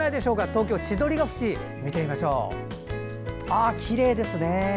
東京・千鳥ケ淵見てみましょう、きれいですね。